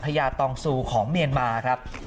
ญาตองซูของเมียนมาครับ